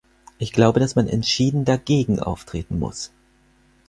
Ich glaube, dass man entschieden dagegen auftreten muss.